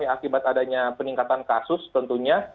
akibat adanya peningkatan kasus tentunya